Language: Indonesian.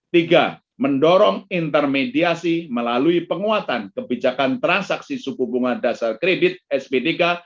tiga mendorong intermediasi melalui penguatan kebijakan transaksi suku bunga dasar kredit sp tiga